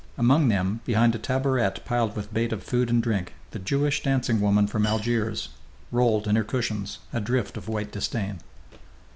Among them, behind a taborette piled with bait of food and drink, the Jewish dancing woman from Algiers lolled in her cushions, a drift of white disdain....